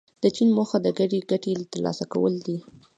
د چین موخه د ګډې ګټې ترلاسه کول دي.